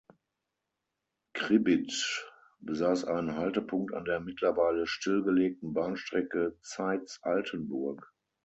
Kriebitzsch besaß einen Haltepunkt an der mittlerweile stillgelegten Bahnstrecke Zeitz–Altenburg.